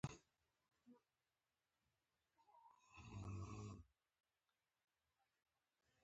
تور چایبر یې په نغري کې کېښود.